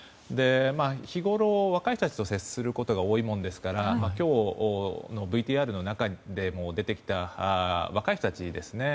日ごろ若い人たちと接することが多いものですから今日のＶＴＲの中でも出てきた若い人たちですね。